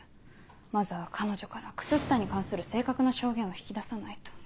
まずは彼女から靴下に関する正確な証言を引き出さないと。